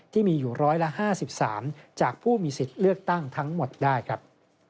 ที่มีอยู่๑๕๓จากผู้มีสิทธิ์เลือกตั้งทั้งหมดได้ครับ